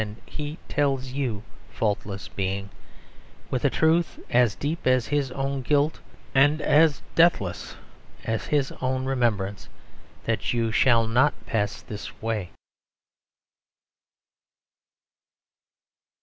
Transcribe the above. And he tells you, Faultless Being, with a truth as deep as his own guilt, and as deathless as his own remembrance, that you shall not pass this way."